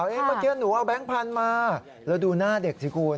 เมื่อกี้หนูเอาแบงค์พันธุ์มาแล้วดูหน้าเด็กสิคุณ